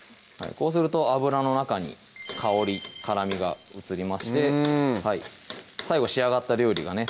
こうすると油の中に香り・辛みが移りまして最後仕上がった料理がね